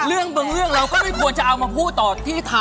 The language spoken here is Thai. เรื่องบางเรื่องเราก็ไม่ควรจะเอามาพูดต่อที่ทำ